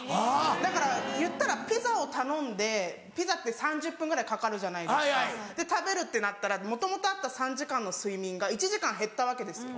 だからいったらピザを頼んでピザって３０分ぐらいかかるじゃないですか食べるってなったらもともとあった３時間の睡眠が１時間減ったわけですよ。